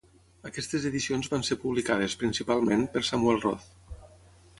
Aquestes edicions van ser publicades, principalment, per Samuel Roth.